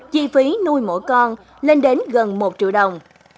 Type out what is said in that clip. chi phí nuôi mỗi con lên đến gần một triệu đồng